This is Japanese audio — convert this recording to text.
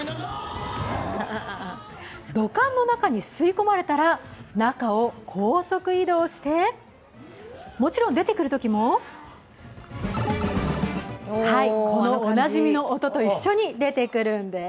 土管の中に吸い込まれたら、中を高速移動してもちろん出てくるときもはい、おなじみの音と一緒に出てくるんです。